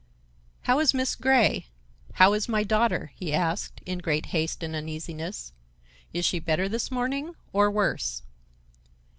"How is Miss Grey? How is my daughter?" he asked in great haste and uneasiness. "Is she better this morning, or—worse?"